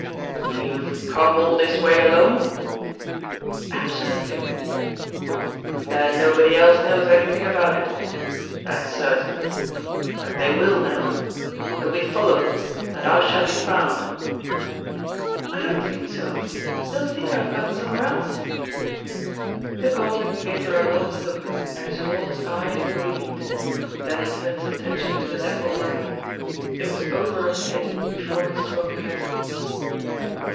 "You've come all this way alone?" "Absolutely." "Then nobody else knows anything about it. That's certain. But they will know! You'll be followed, and I shall be found!" "I don't think so; they'll think I've gone somewhere else." The convict gave her a long look, and his hawk's eye gleamed; then he turned his attention to the dapple grey. It was over a minute before he spoke again.